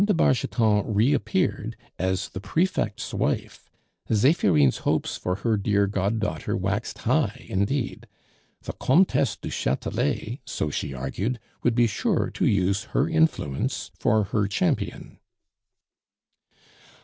de Bargeton reappeared as the prefect's wife, Zephirine's hopes for her dear goddaughter waxed high, indeed. The Comtesse du Chatelet, so she argued, would be sure to use her influence for her champion.